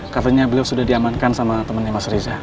katanya beliau sudah diamankan sama temennya mas riza